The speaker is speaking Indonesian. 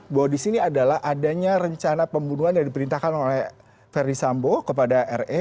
bahwa di sini adalah adanya rencana pembunuhan yang diperintahkan oleh verdi sambo kepada re